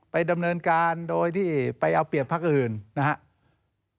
ดำเนินการโดยที่ไปเอาเปรียบพักอื่นนะครับ